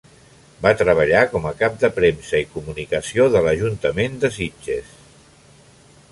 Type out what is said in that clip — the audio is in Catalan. Va treballar com a cap de premsa i comunicació de l'ajuntament de Sitges.